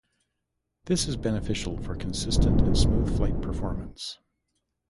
This is beneficial for consistent and smooth flight performance.